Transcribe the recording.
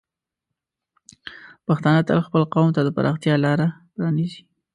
پښتانه تل خپل قوم ته د پراختیا لار پرانیزي.